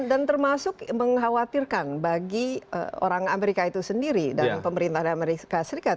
dan termasuk mengkhawatirkan bagi orang amerika itu sendiri dan pemerintah amerika serikat